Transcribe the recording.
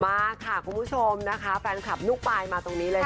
มาค่ะคุณผู้ชมนะคะแฟนคลับลูกปลายมาตรงนี้เลยค่ะ